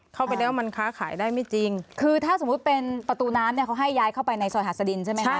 คือถ้าสมมุติเป็นประตูน้ำเนี่ยเขาให้ยายเข้าไปในสอยหัสตรินใช่ไหมคะ